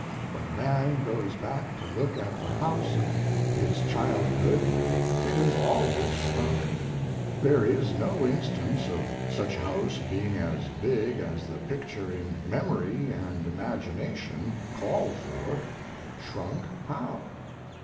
When a man goes back to look at the house of his childhood it has always shrunk; there is no instance of such house being as big as the picture in memory & imagination call for. Shrunk how?